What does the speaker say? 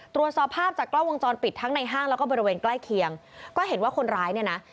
ตรวจสอบภาพจากกล้องวงจรปิดทั้งในห้างแล้วก็บริเวณใกล้เคียงก็เห็นว่าคนร้ายเนี่ยนะ